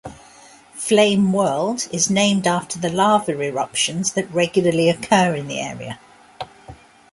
Flame World is named after the lava eruptions that regularly occur in the area.